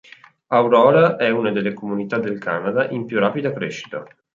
Aurora è una delle comunità del Canada in più rapida crescita.